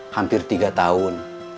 hampir tiga tahun